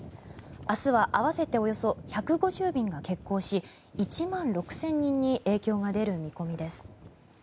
明日は合わせておよそ１５０便が欠航し１万６０００人に影響が出る見込みです。